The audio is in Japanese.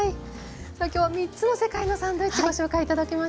さあ今日は３つの世界のサンドイッチご紹介頂きました。